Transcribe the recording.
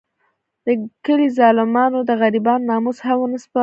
د کلي ظالمانو د غریبانو ناموس هم ونه سپماوه.